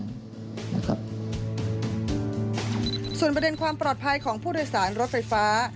ส่วนประเด็นความปลอดภัยของผู้โดยสารรถไฟฟ้า